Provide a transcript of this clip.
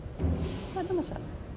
gak ada masalah